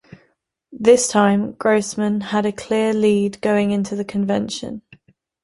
This time, Grossman had a clear lead going into the convention.